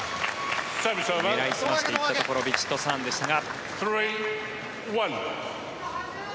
狙い澄ましていったところヴィチットサーンでしたが。